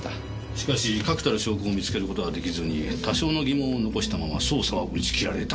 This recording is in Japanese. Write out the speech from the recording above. しかし確たる証拠を見つけることが出来ずに多少の疑問を残したまま捜査は打ち切られた。